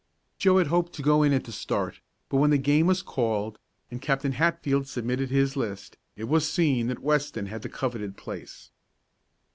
Joe had hoped to go in at the start, but when the game was called, and Captain Hatfield submitted his list, it was seen that Weston had the coveted place.